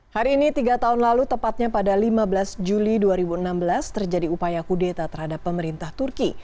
hari ini tiga tahun lalu tepatnya pada lima belas juli dua ribu enam belas terjadi upaya kudeta terhadap pemerintah turki